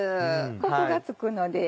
コクがつくので。